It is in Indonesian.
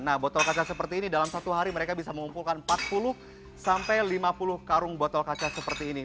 nah botol kaca seperti ini dalam satu hari mereka bisa mengumpulkan empat puluh sampai lima puluh karung botol kaca seperti ini